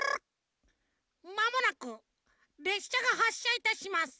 「まもなくれっしゃがはっしゃいたします。